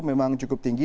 memang cukup tinggi